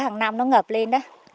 hàng năm nó ngập lên